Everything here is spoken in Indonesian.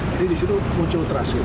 jadi di situ muncul terhasil